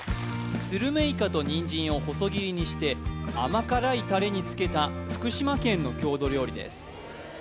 するめいかとにんじんを細切りにして甘辛いタレに漬けた福島県の郷土料理です